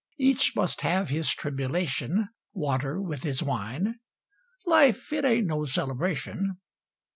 Each must have his tribulation, Water with his wine. Life it ain't no celebration.